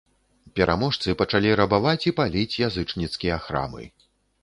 Пераможцы пачалі рабаваць і паліць язычніцкія храмы.